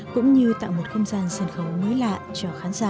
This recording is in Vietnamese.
cũng như tạo một không gian sân khấu mới lạ cho khán giả